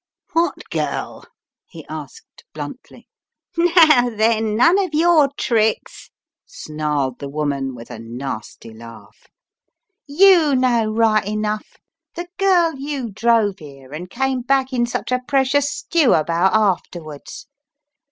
What girl?" he asked, bluntly. Now, then, none of your tricks," snarled the woman with a nasty laugh. "You know right enough, the girl you drove here and came back in such a precious stew about afterwards!